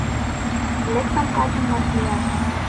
Лектым качым вашлияш.